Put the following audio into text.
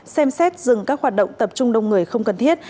xem xét dừng các hoạt động tập trung đông người không cần thiết